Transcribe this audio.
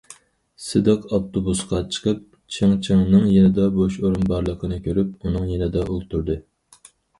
سىدىق ئاپتوبۇسقا چىقىپ چىڭ چىڭنىڭ يېنىدا بوش ئورۇن بارلىقىنى كۆرۈپ، ئۇنىڭ يېنىدا ئولتۇردى.